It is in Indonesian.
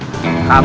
mirip bintang film